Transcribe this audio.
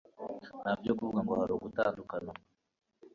nta byo kuvuga ngo hari ugutandukana